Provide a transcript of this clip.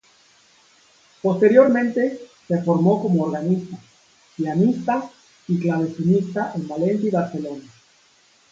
Posteriormente, se formó como organista, pianista y clavecinista en Valencia y Barcelona.